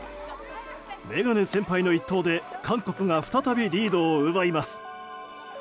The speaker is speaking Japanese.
メガネ先輩の一投で韓国が再びリードを奪います。